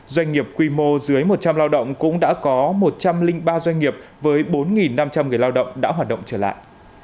doanh nghiệp quy mô dưới một trăm linh lao động cũng đã có một trăm linh ba doanh nghiệp với bốn năm trăm linh người lao động đã hoạt động trở lại